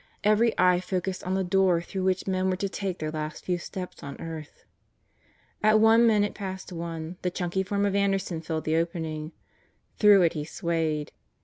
Every eye focused on the door through which men were to take their last few steps on earth. At one minute past one, the chunky form of Anderson filled the opening. Through it he swayed.